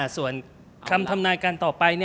ส่วนคำทำนายการต่อไป